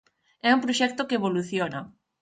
É un proxecto que evoluciona.